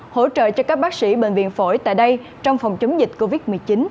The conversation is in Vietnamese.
hỗ trợ cho các bác sĩ bệnh viện phổi tại đây trong phòng chống dịch covid một mươi chín